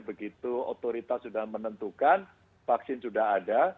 begitu otoritas sudah menentukan vaksin sudah ada